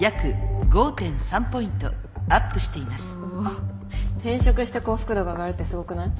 お転職して幸福度が上がるってすごくない？